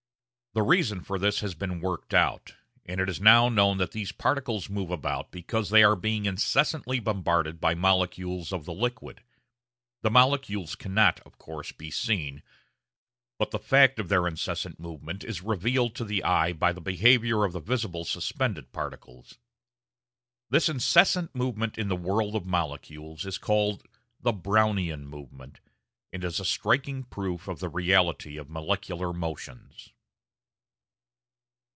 The reason for this has been worked out, and it is now known that these particles move about because they are being incessantly bombarded by the molecules of the liquid. The molecules cannot, of course, be seen, but the fact of their incessant movement is revealed to the eye by the behaviour of the visible suspended particles. This incessant movement in the world of molecules is called the Brownian movement, and is a striking proof of the reality of molecular motions.